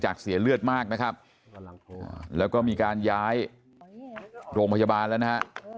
เสียเลือดมากนะครับแล้วก็มีการย้ายโรงพยาบาลแล้วนะฮะ